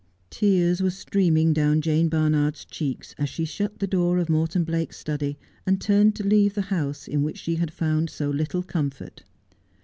Tears were streaming down Jane Barnard's cheeks as she shut the door of Morton Blake's study, and turned to leave the house in which she had found so little comfort.